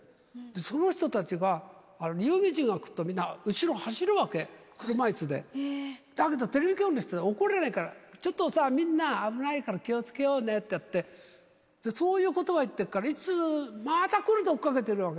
その人たちが有名人が来ると、後ろ走るわけ、車いすで、だけどテレビ局の人、みんな怒れないから、ちょっとさ、みんな、危ないから気をつけようねってやって、そういうこと言ってるから、またいつも追っかけてるわけ。